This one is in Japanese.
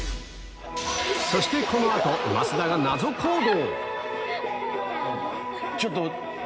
そしてこの後増田が謎行動